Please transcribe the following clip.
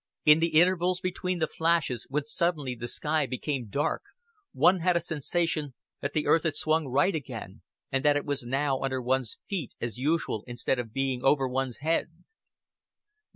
In the intervals between the flashes, when suddenly the sky became dark, one had a sensation that the earth had swung right again, and that it was now under one's feet as usual instead of being over one's head.